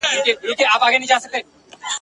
سوله ييز فکر بايد عام سي.